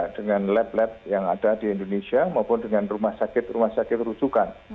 dengan lab lab yang ada di indonesia maupun dengan rumah sakit rumah sakit rujukan